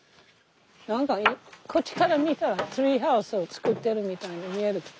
何かこっちから見たらツリーハウスを作ってるみたいに見える。